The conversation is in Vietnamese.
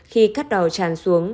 khi cắt đỏ tràn xuống